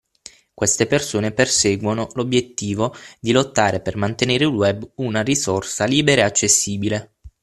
Queste persone perseguono l’obbiettivo di lottare per mantere il Web una risorsa libera e accessibile